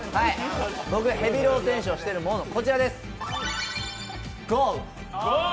僕、ヘビーローテーションしてるものこちらです。